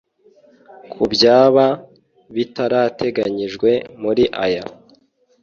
Kubyaba bitarateganijwe muri aya